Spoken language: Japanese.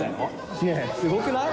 ねぇすごくない？